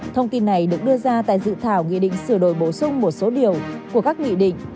thông tin này được đưa ra tại dự thảo nghị định sửa đổi bổ sung một số điều của các nghị định